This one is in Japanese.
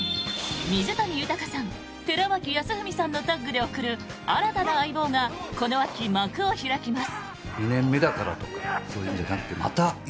水谷豊さん、寺脇康文さんのタッグで送る新たな「相棒」がこの秋、幕を開きます！